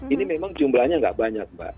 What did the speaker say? ini memang jumlahnya nggak banyak mbak